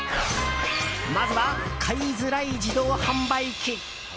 まずは、買いづらい自動販売機。